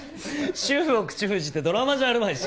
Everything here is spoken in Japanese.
主婦を口封じってドラマじゃあるまいし。